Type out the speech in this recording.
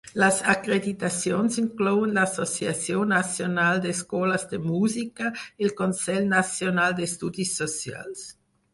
Les acreditacions inclouen l'Associació Nacional d'Escoles de Música i el Consell Nacional d'Estudis Socials.